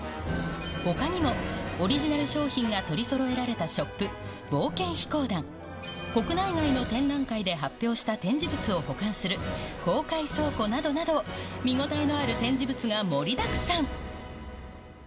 ほかにも、オリジナル商品が取りそろえられたショップ、冒険飛行団、国内外の展覧会で発表した展示物を保管する公開倉庫などなど、見応えのある展示物が盛りだくさん。